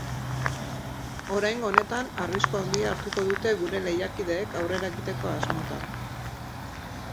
Oraingo honetan, arrisku handia hartuko dute gure lehiakideek aurrera egiteko asmotan.